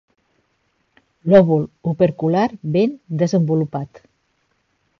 Lòbul opercular ben desenvolupat.